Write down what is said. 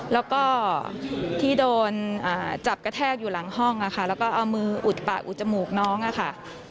แล้วก็ที่โดนจับกระแทกอยู่หลังห้องแล้วก็เอามืออุดปากอุดจมูกน้องอะค่ะ